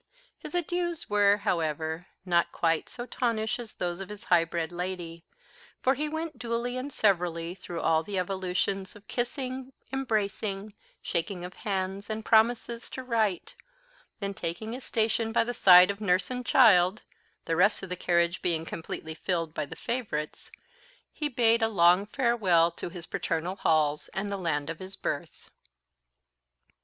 His adieus were, however, not quite so tonish as those of his high bred lady, for he went duly and severally through all the evolutions of kissing, embracing, shaking of hands, and promises to write; then taking his station by the side of the nurse and child the rest of the carriage being completely filled by the favourites he bade a long farewell to his paternal halls and the land of his birth.